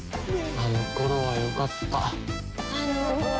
あの頃はよかった。